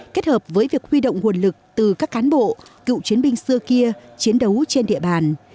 kết hợp với việc huy động nguồn lực từ các cán bộ cựu chiến binh xưa kia chiến đấu trên địa bàn